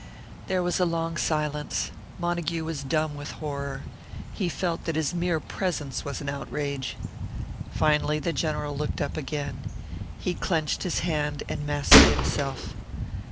There was a long silence. Montague was dumb with horror. He felt that his mere presence was an outrage. Finally the General looked up again. He clenched his hand, and mastered himself.